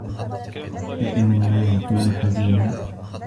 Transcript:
دائمًا ما يكون حزينًا.